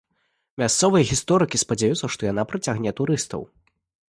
Мясцовыя гісторыкі спадзяюцца, што яна прыцягне турыстаў.